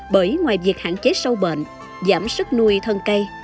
bởi ngoài việc hạn chế sâu bệnh giảm sức nuôi thân cây